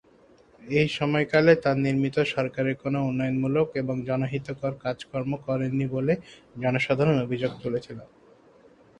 এই সময়কালে তার নির্মিত সরকারে কোনো উন্নয়নমূলক এবং জনহিতকর কাজ কর্ম করেননি বলে জনসাধারণ অভিযোগ তুলেছিল।